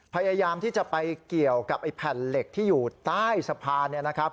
พยายามที่จะไปเกี่ยวกับไอ้แผ่นเหล็กที่อยู่ใต้สะพาน